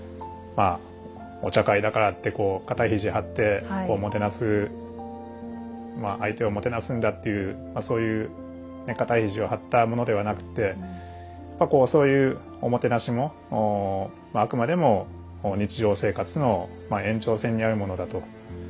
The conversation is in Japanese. まあお茶会だからってこう肩肘張ってもてなすまあ相手をもてなすんだっていうそういう肩肘を張ったものではなくてそういうおもてなしもあくまでも日常生活の延長線にあるものだと。